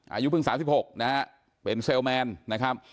อายุเพิ่งสามสิบหกนะฮะเป็นเซลแมนนะครับ